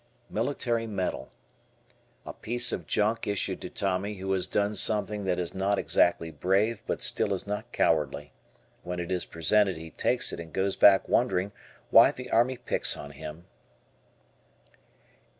Military Medal. A piece of Junk issued to Tommy who has done something that is not exactly brave but still is not cowardly. When it is presented he takes it and goes back wondering why the Army picks on him.